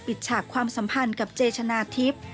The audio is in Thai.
ฉากความสัมพันธ์กับเจชนะทิพย์